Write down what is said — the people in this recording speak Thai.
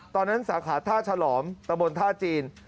ตอนนั้นสาขาท่าฉลอมตระบวนท่าจีน